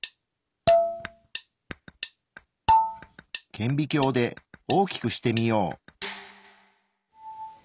顕微鏡で大きくしてみよう。